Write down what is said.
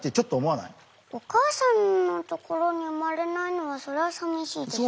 お母さんのところに生まれないのはそれはさみしいです。